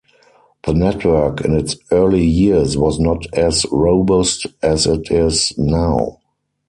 The network in its early years was not as robust as it is now.